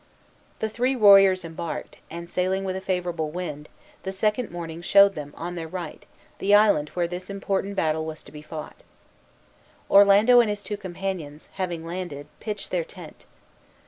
The three warriors embarked, and sailing with a favorable wind, the second morning showed them, on their right, the island where this important battle was to be fought. Orlando and his two companions, having landed, pitched their tent.